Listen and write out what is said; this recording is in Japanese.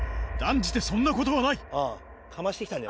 断じてそんなことはない！